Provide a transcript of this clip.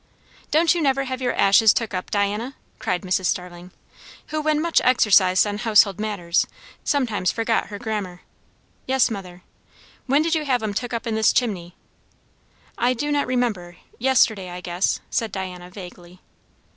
"Don't you never have your ashes took up, Diana?" cried Mrs. Starling, who, when much exercised on household matters, sometimes forgot her grammar. "Yes, mother." "When did you have 'em took up in this chimney?" "I do not remember yesterday, I guess," said Diana vaguely.